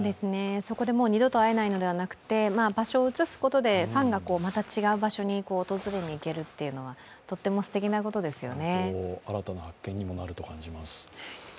そこで二度と会えないのではなく場所を移すことでファンがまた違う場所に訪れにいけるというのはとってもすてきなことですよね。